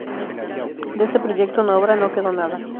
De ese proyecto de obra no quedó nada.